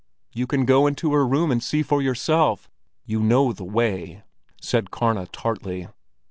"You can go into her room and see for yourself; you know the way!" said Karna tartly.